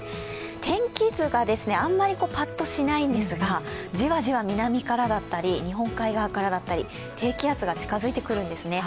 天気図があんまりパッとしないんですが、じわじわ、南からだったり日本海側だったり低気圧が近づいてくるんですね。